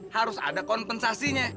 harus ada kompensasinya